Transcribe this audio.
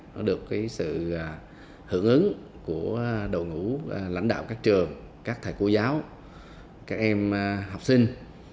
nó được sự hưởng ứng của đội ngũ lãnh đạo các trường các thầy cô giáo các em học sinh